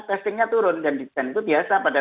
testingnya turun dan degan itu biasa pada